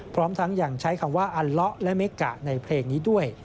พร้อมทั้งยังใช้คำว่าอัลละและเมกะในเพลงนี้ด้วย